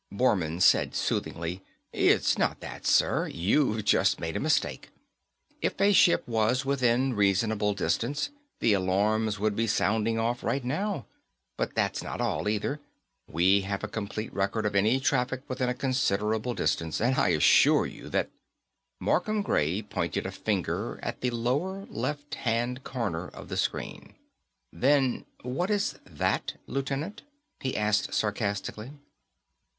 Bormann said soothingly, "It's not that, sir. You've just made a mistake. If a ship was within reasonable distance, the alarms would be sounding off right now. But that's not all, either. We have a complete record of any traffic within a considerable distance, and I assure you that " Markham Gray pointed a finger at the lower left hand corner of the screen. "Then what is that, Lieutenant?" he asked sarcastically.